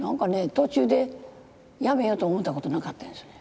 途中でやめようと思ったことなかったですね。